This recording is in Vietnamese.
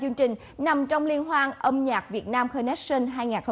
chương trình nằm trong liên hoan âm nhạc việt nam connection hai nghìn một mươi tám